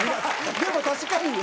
でも確かに。